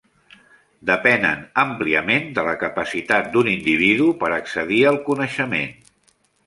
Depenen àmpliament de la capacitat d'un individu per accedir al coneixement.